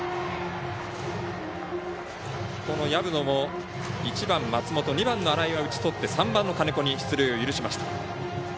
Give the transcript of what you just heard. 薮野も、１番の松本２番の新井は打ち取って３番の金子に出塁を許しました。